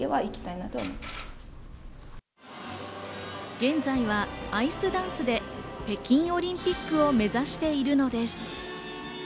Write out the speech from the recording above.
現在はアイスダンスで北京オリンピックを目指しているのです。